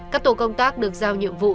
các tổ công tác được giao nhiệm vụ